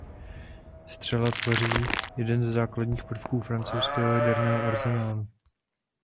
Střela tvoří jeden ze základních prvků francouzského jaderného arzenálu.